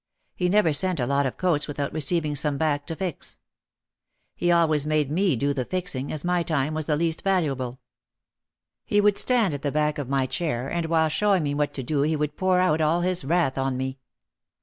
He never sent a lot of coats without receiving some back to fix. He always made me do the fixing, as my time was the least valuable. He would stand at the back of my chair OUT OF THE SHADOW 131 and while showing me what to do he would pour out all his wrath on me.